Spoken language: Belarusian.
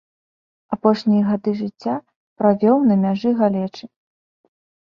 Апошнія гады жыцця правёў на мяжы галечы.